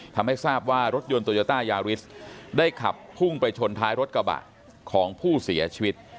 ทำให้ทราบว่ารถยนต์โตโยต้ายาริสได้ขับพุ่งไปชนท้ายรถกระบะของผู้เสียชีวิต